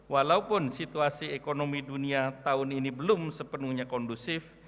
walaupun situasi ekonomi dunia tahun ini belum sepenuhnya kondusif